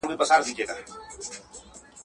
د لوړښت هڅه نه ده کړې